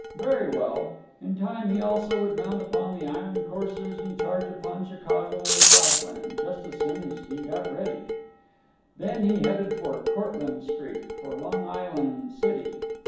Very well. In time he also would mount upon the iron coursers and charge upon Chicago and the Southland; just as soon as he got ready. Then he headed for Cortlandt Street; for Long Island, City.